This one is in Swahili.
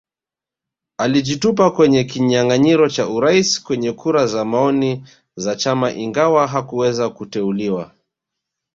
Alijitupa kwenye kinyanganyiro cha Urais kwenye kura za maoni za chama ingawa hakuweza kuteuliwa